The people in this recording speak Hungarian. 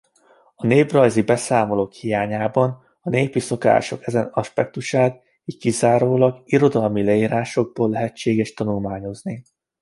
Néprajzi beszámolók hiányában a népi szokások ezen aspektusát így kizárólag irodalmi leírásokból lehetséges tanulmányozni.